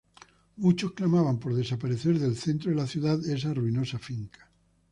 Muchos clamaban por desaparecer del centro de la ciudad esa ruinosa finca.